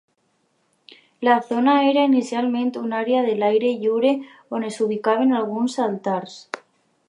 La zona era inicialment una àrea a l'aire lliure on s'ubicaven alguns altars.